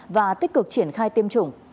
và tích cực triển khai tiêm chủng